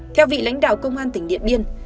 theo vị lãnh đạo công an tỉnh điện biên